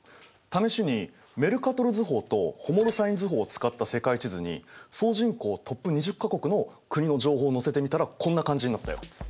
試しにメルカトル図法とホモロサイン図法を使った世界地図に総人口トップ２０か国の国の情報を載せてみたらこんな感じになったよ。